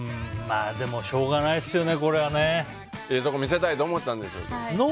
でも、しょうがないですよねこれはね。ええとこ見せたいと思ったんでしょうけど。